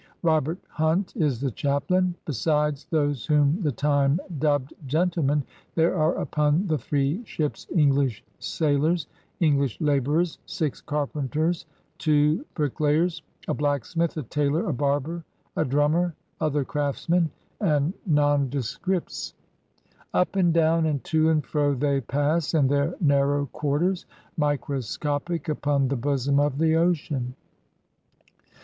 Robert Hunt is the chaplain. Besides those whom the time dubbed "gentlemen," there are upon the three ships English saflors, English laborers, six carpenters, two bricklayers, a blacksmith, a tailor, a barber, a drummer, other craftsmen, and non THE ADVENTURERS 19 descripts. Up and down and to and fro they pass in their narrow quarters, microscopic upon the bosom of the ocean.